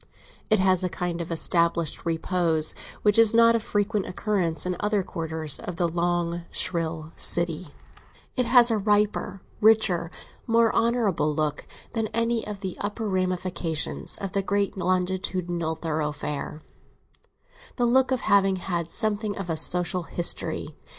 It has a kind of established repose which is not of frequent occurrence in other quarters of the long, shrill city; it has a riper, richer, more honourable look than any of the upper ramifications of the great longitudinal thoroughfare—the look of having had something of a social history.